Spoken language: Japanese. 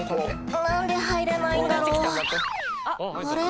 何で入れないんだろう？あれ？